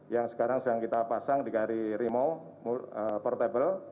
yang sekarang sedang kita pasang di kri rimau portable